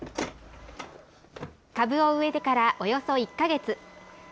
株を植えてからおよそ１か月。